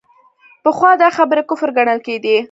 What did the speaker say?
پخوا دا خبرې کفر ګڼل کېدې.